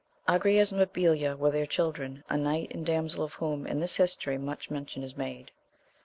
Agrayes and Mabilia were their children, a knight and damsel of whom in this history much mention is made.